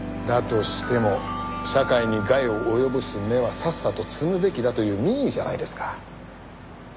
だとしても社会に害を及ぼす芽はさっさと摘むべきだという民意じゃないですか。